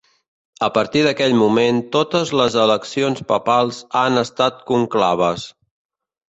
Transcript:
A partir d'aquest moment totes les eleccions papals han estat conclaves.